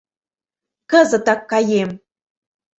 Кызытак каем!..